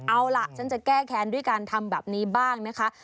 เอาล่ะฉันจะแก้แค้นด้วยการทำแบบนี้บ้างนะคะ